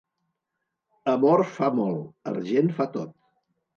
Amor fa molt, argent fa tot.